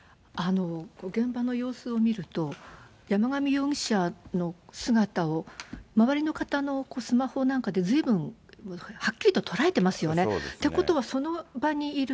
現場の様子を見ると、山上容疑者の姿を周りの方のスマホなんかでずいぶん、はっきりと捉えてますよね。